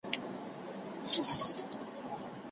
نن به یم سبا به ځمه زه پردېس د بل وطن یم